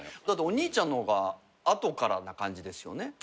だってお兄ちゃんの方が後からな感じですよね？